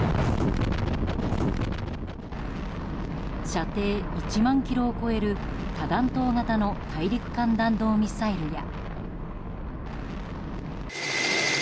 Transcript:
射程１万ｋｍを超える多弾頭型の大陸間弾道ミサイルや。